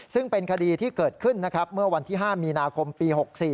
ซึ่งเป็นคดีที่เกิดขึ้นนะครับเมื่อวันที่๕มีนาคมปี๖๔